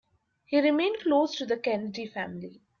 He remained close to the Kennedy family.